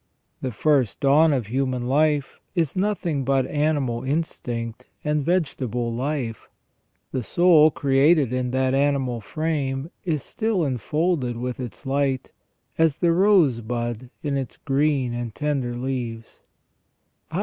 The first dawn of human life is nothing but animal instinct and vegetable life. The soul created in that animal frame is still enfolded with its light, as the rosebud in its green and tender leaves.